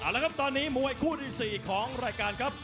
แล้วครับตอนนี้มวยคู่ที่๔ของรายการครับ